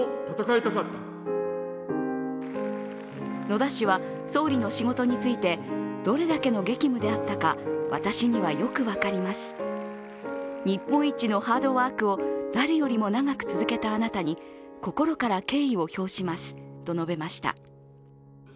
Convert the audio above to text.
野田氏は総理の仕事についてどれだけの激務であったか私にはよく分かります、日本一のハードワークを誰よりも長く続けたあなたに心から敬意を表しますと述べました。